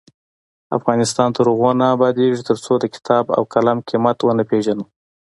افغانستان تر هغو نه ابادیږي، ترڅو د کتاب او قلم قیمت ونه پیژنو.